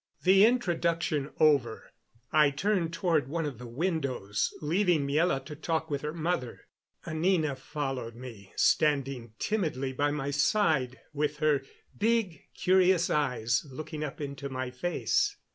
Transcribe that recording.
The introduction over, I turned toward one of the windows, leaving Miela to talk with her mother. Anina followed me, standing timidly by my side, with her big, curious eyes looking up into my face.